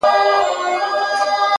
د عقل سوداګرو پکښي هر څه دي بایللي!